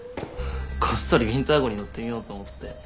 こっそりウィンター号に乗ってみようと思って。